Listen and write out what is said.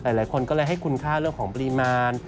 หลายคนก็เลยให้คุณค่าเรื่องของปริมาณ